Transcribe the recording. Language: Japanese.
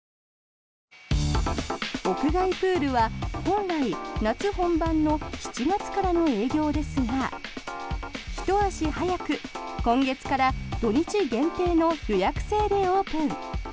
屋外プールは本来夏本番の７月からの営業ですがひと足早く、今月から土日限定の予約制でオープン。